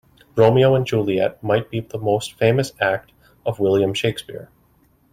Romeo and Juliet might be the most famous act of William Shakespeare.